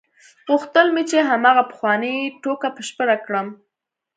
غوښتل مې چې هماغه پخوانۍ ټوکه بشپړه کړم.